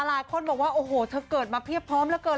หลายคนบอกว่าโอ้โหเธอเกิดมาเพียบพร้อมเหลือเกิน